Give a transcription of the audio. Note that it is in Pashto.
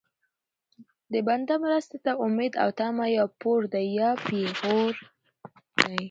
د بنده مرستې ته امید او طمع یا پور دی یا پېغور دی